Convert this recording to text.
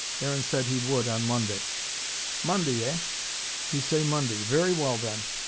Aaron said he would on Monday. "Monday, eh! You say Monday! Very well then.